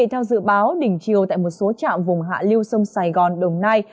theo dự báo đỉnh chiều tại một số trạm vùng hạ liêu sông sài gòn đồng nai